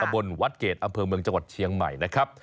บนวัดเกรดอำเภอเมืองจังหวัดเชียงใหม่นะครับ